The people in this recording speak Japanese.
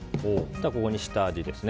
ここに下味ですね。